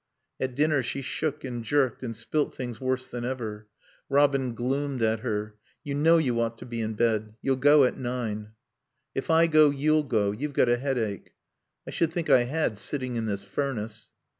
At dinner she shook and jerked and spilt things worse than ever. Robin gloomed at her. "You know you ought to be in bed. You'll go at nine." "If I go, you'll go. You've got a headache." "I should think I had, sitting in this furnace."